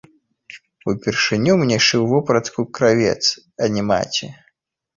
Упершыню мне шыў вопратку кравец, а не маці.